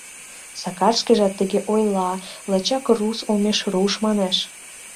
Сакар шкежат тыге ойла, лачак «рус» олмеш «руш» манеш.